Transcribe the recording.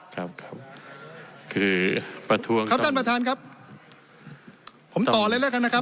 ครับครับคือประท้วงครับท่านประธานครับผมต่อเลยแล้วกันนะครับ